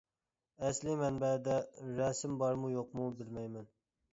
ئەسلى مەنبەدە رەسىم بارمۇ يوقمۇ بىلمەيمەن.